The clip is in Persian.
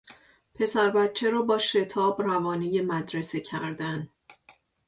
پسر بچه را با شتاب روانهی مدرسه کردن